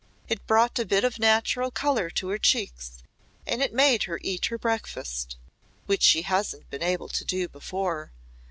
It brought a bit of natural colour to her cheeks and it made her eat her breakfast which she hasn't been able to do before.